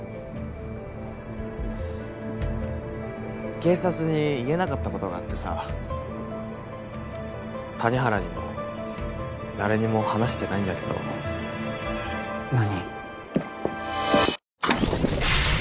警察に言えなかったことがあってさ谷原にも誰にも話してないんだけど何？